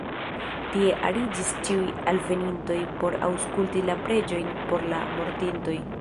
Tie ariĝis ĉiuj alvenintoj por aŭskulti la preĝojn por la mortintoj.